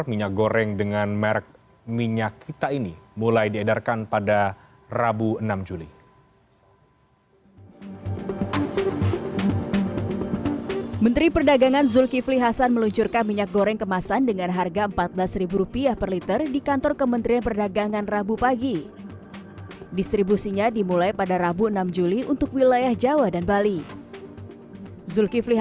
minyak goreng dengan merk minyak kita ini mulai diedarkan pada rabu enam juli